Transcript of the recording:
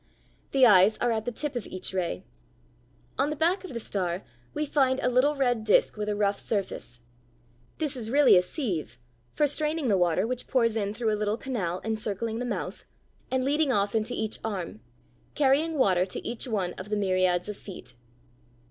The eyes are at the tip of each ray. On the back of the star we find a little red disk with a rough surface. This is really a sieve for straining the water which pours in through a little canal encircling the mouth and leading off into each arm, carrying water to each one of the myriads of feet.